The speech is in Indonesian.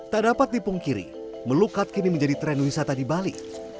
tak dapat dipungkiri melukat kini menjadi tren wisata di bali